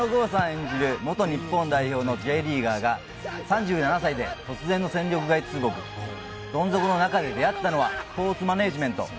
演じる元日本代表のＪリーガーが３７歳で突然の戦力外通告どん底の中で出会ったのはスポーツマネージメント